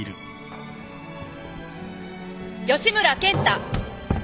吉村健太。